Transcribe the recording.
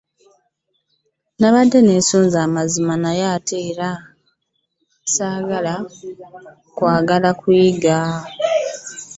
Nabadde nesunze amazima naye ate ea nga singa kwagala kuyiga .